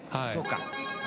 そうか。